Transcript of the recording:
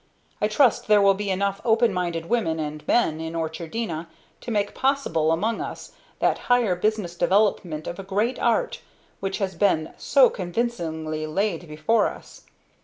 I trust there will be enough open minded women and men in Orchardina to make possible among us that higher business development of a great art which has been so convincingly laid before us.